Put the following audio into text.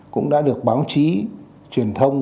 cũng đã được báo chí truyền thông